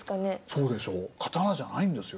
そうでしょ刀じゃないんですよ。